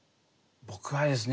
僕はですね